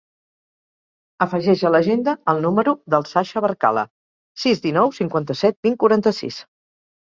Afegeix a l'agenda el número del Sasha Barcala: sis, dinou, cinquanta-set, vint, quaranta-sis.